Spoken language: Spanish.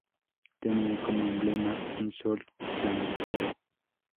Tenía como emblema un sol flamígero.